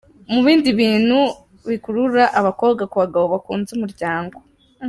Mu bindi bintu bikurura abakobwa ku bagabo bakuze umuryango.